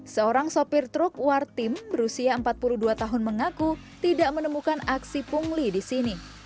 seorang sopir truk wartim berusia empat puluh dua tahun mengaku tidak menemukan aksi pungli di sini